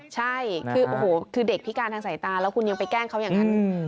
ใช่คือโอ้โหคือเด็กพิการทางสายตาแล้วคุณยังไปแกล้งเขาอย่างนั้น